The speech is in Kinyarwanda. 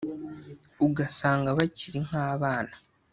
ugasanga bari bakiri nk’abana